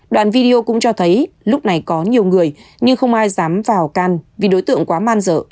đoạn video cũng cho thấy lúc này có nhiều người nhưng không ai dám vào can vì đối tượng quá man dợ